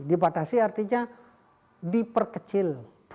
dibatasi artinya diperkecil